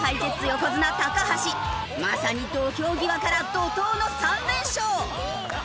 横綱橋まさに土俵際から怒涛の３連勝。